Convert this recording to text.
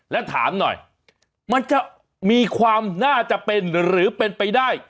และถามหน่อยมันจะมีความน่าจะเป็นหรือเป็นไปได้